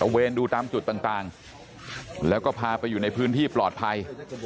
เวรดูตามจุดต่างแล้วก็พาไปอยู่ในพื้นที่ปลอดภัย